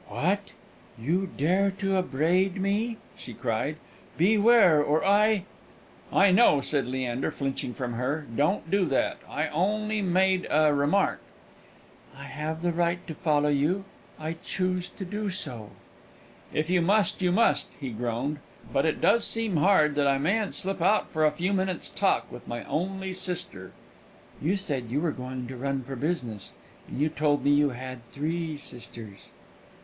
"What! you dare to upbraid me?" she cried. "Beware, or I " "I know," said Leander, flinching from her. "Don't do that; I only made a remark." "I have the right to follow you; I choose to do so." "If you must, you must," he groaned; "but it does seem hard that I mayn't slip out for a few minutes' talk with my only sister." "You said you were going to run for business, and you told me you had three sisters."